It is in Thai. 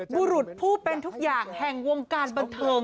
บุรุษผู้เป็นทุกอย่างแห่งวงการบันเทิง